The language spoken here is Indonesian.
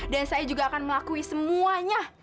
dan saya juga akan melakui semuanya